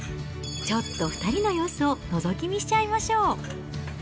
ちょっと２人の様子をのぞき見しちゃいましょう。